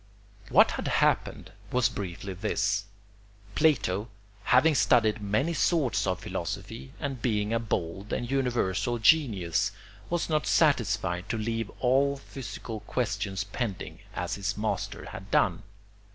] What had happened was briefly this: Plato, having studied many sorts of philosophy and being a bold and universal genius, was not satisfied to leave all physical questions pending, as his master had done.